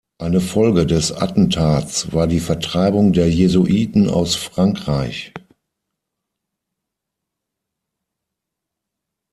Eine Folge des Attentats war die Vertreibung der Jesuiten aus Frankreich.